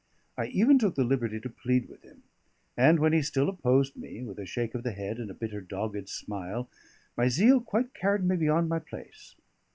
I even took the liberty to plead with him; and when he still opposed me with a shake of the head and a bitter dogged smile, my zeal quite carried me beyond my place.